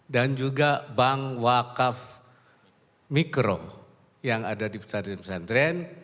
dan juga bank wakaf mikro yang ada di pesantren pesantren